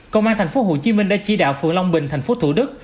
cơ quan thành phố hồ chí minh đã chỉ đạo phường long bình thành phố thủ đức